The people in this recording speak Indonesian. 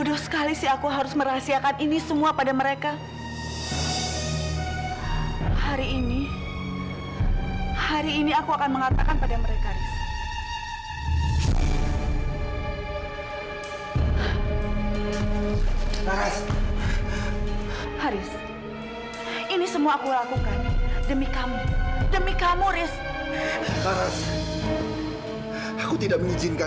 sampai jumpa di video selanjutnya